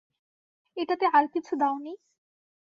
এটাতে আর কিছু দাওনি?